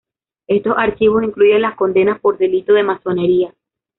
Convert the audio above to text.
Estos archivos incluyen las condenas por "delito de masonería".